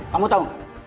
kamu tau gak